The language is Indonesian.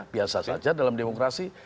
biasa saja dalam demokrasi